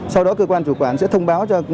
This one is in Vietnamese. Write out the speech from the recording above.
sau đó cơ quan chủ quản sẽ thông báo cho